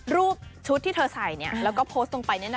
รูปชุดที่เธอใส่แล้วก็โพสต์ลงไป